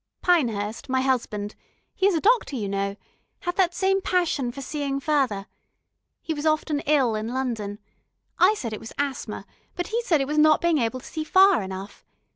"Pinehurst my husband, he is a doctor, you know had that same passion for seeing further. He was often ill in London. I said it was asthma, but he said it was not being able to see far enough.